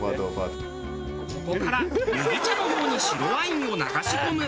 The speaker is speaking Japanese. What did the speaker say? ここから麦茶のように白ワインを流し込む。